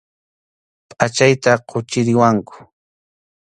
Pʼachayta quchiriwanku.